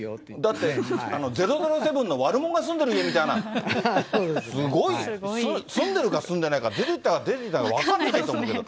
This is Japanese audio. だって００７の悪もんが住んでるみたいな、すごい、住んでるか住んでないか、出てったか出てってないか分からないと思うけど。